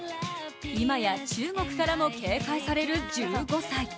いまや中国からも警戒される１５歳。